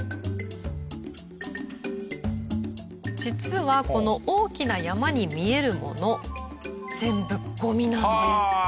実はこの大きな山に見えるもの全部ゴミなんです。